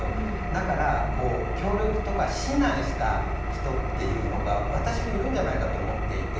だから協力とか指南した人が私もいるんじゃないかと思っていて。